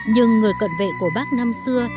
nhưng người cận vệ của bác năm xưa